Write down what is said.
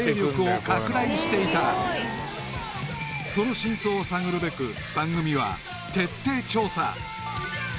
［その真相を探るべく番組は徹底調査］